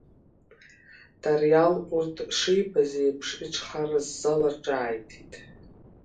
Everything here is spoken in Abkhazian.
Тариал урҭ шибаз еиԥш, иҽхарззала ҿааиҭит…